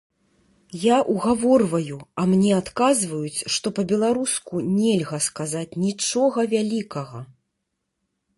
Я ўгаворваю, а мне адказваюць, што па-беларуску нельга сказаць нічога вялікага!